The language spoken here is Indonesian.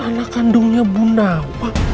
anak kandungnya bu nawal